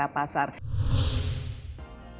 jadi apa keseluruhan produknya ini akan terdapat